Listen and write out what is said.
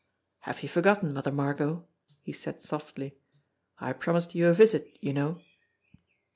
"Have you forgotten, Mother Margot?" he said softly. "I promised you a visit, you know."